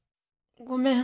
ごめん。